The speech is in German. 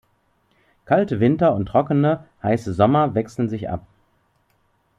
Kalte Winter und trockene, heiße Sommer wechseln sich ab.